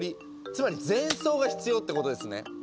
つまり前奏が必要ってことですね。